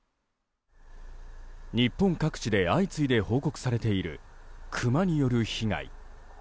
日本各地で相次いで報告されているクマによる被害。